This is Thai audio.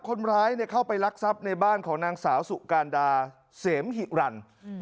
คนร้ายเข้าไปรักทรัพย์ในบ้านของนางสาวสุการดาเสมหิรัน